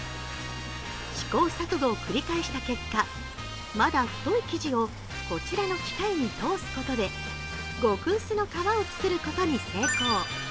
試行錯誤を繰り返した結果まだ太い生地をこちらの機械に通すことで極薄の皮を作ることに成功。